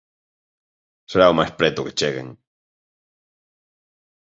Será o máis preto que cheguen.